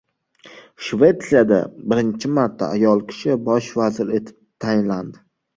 Shvetsiyada birinchi marta ayol kishi Bosh vazir etib tayinlandi